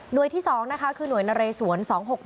หน่วยที่สองนะคะคือหน่วยนเรสวน๒๖๑